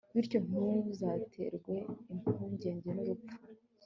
bityo ntuzaterwa impungenge n'urupfu